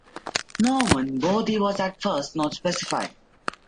Norman, "bodhi" was at first not specified.